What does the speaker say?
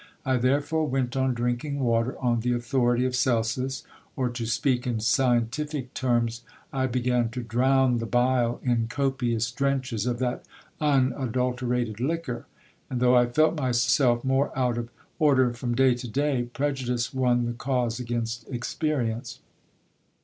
I therefore went on drinking water on the authority of Celsus, or, to speak in scientific terms, I began to drown the bile in copious drenches of that unadulterated liquor ; and though I felt myself more out of order from day to day, prejudice won the cause against experience.